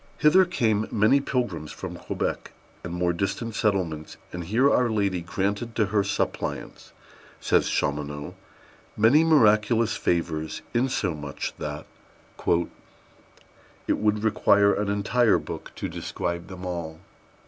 Hither came many pilgrims from Quebec and more distant settlements, and here Our Lady granted to her suppliants, says Chaumonot, many miraculous favors, insomuch that "it would require an entire book to describe them all."